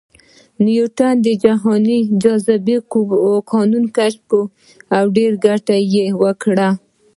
نیوټن د جهاني جاذبې قانون کشف کړ او ډېره ګټه یې وکړه